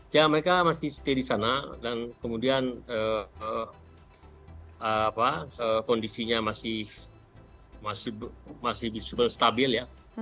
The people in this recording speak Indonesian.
ya mereka masih stay di sana dan kemudian kondisinya masih stabil ya